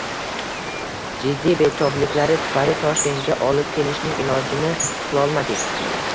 Jiddiy betobliklari tufayli Toshkentga olib kelishning ilojini qilolmadik.